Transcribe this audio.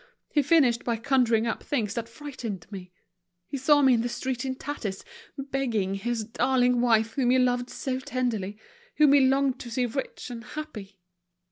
He finished by conjuring up things that frightened me. He saw me in the street in tatters, begging, his darling wife, whom he loved so tenderly, whom he longed to see rich and happy."